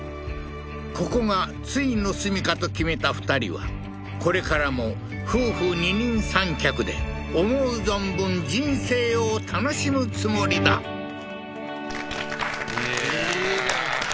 ここがついの住みかと決めた２人はこれからも夫婦二人三脚で思う存分人生を楽しむつもりだいいじゃない